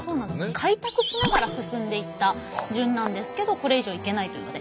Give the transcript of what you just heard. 開拓しながら進んでいった順なんですけどこれ以上行けないというので。